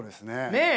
ねえ！